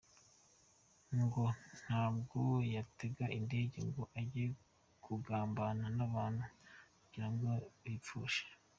Ngo ntabwo yatega indege ngo ajye kugambana n’abantu kugirango bipfushe.